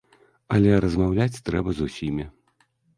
Але размаўляць трэба з усімі.